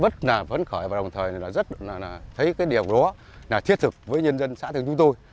thời này là rất là thấy cái điểm đó là thiết thực với nhân dân xã tây hưng chúng tôi